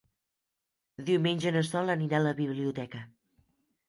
Diumenge na Sol anirà a la biblioteca.